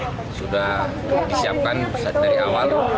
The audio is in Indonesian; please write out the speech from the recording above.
sudah disiapkan dari awal